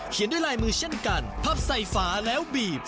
ด้วยลายมือเช่นกันพับใส่ฝาแล้วบีบ